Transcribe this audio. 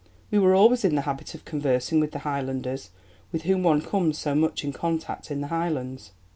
"We were always in the habit of conversing with the Highlanders with whom one comes so much in contact in the Highlands.